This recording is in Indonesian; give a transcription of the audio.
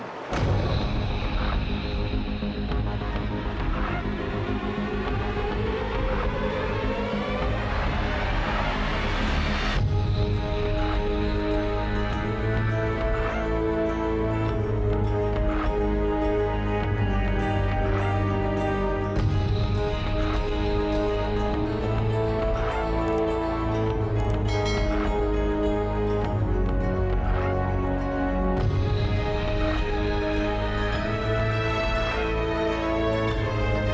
kalau kau ikut aku nggak akan marah sama sopi ya